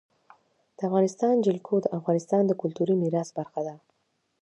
د افغانستان جلکو د افغانستان د کلتوري میراث برخه ده.